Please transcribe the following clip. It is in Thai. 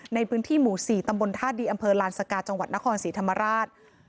ในพื้นที่หมู่๔ตำบลท่าดีอำเภอลานสกาจังหวัดนครศรีธรรมราช